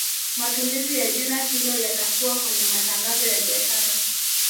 Matumizi ya jina hilo yatakuwa kwenye matangazo ya biashara